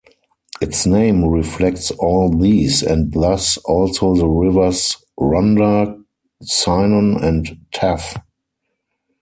Its name reflects all these, and thus also the rivers Rhondda, Cynon and Taff.